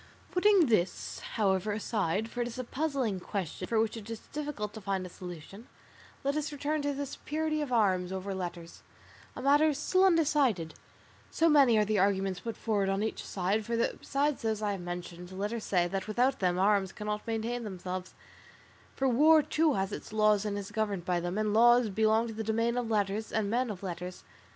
"Putting this, however, aside, for it is a puzzling question for which it is difficult to find a solution, let us return to the superiority of arms over letters, a matter still undecided, so many are the arguments put forward on each side; for besides those I have mentioned, letters say that without them arms cannot maintain themselves, for war, too, has its laws and is governed by them, and laws belong to the domain of letters and men of letters.